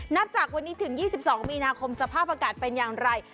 นับจากวันนี้ถึง๒๒มีนาคมสภาพอากาศเป็นอย่างไร